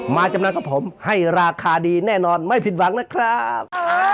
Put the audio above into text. มาจำนวนกับผมให้ราคาดีแน่นอนไม่ผิดหวังนะครับ